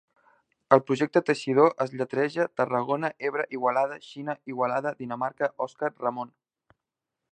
El projecte 'Teixidor' es lletreja Tarragona-Ebre-Igualada-Xina-Igualada-Dinamarca-Òscar-Ramon.